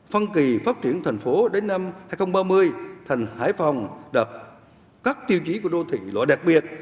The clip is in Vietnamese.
phân kỳ phát triển thành phố đến năm hai nghìn ba mươi thành hải phòng đập các tiêu chí của đô thị loại đặc biệt